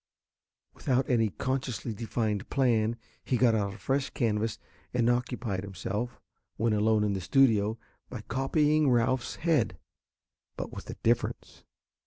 Without any consciously defined plan, he got out a fresh canvas, and occupied himself, when alone in the studio, by copying Ralph's head, but with a difference.